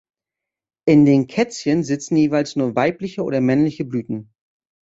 In den Kätzchen sitzen jeweils nur weibliche oder männliche Blüten.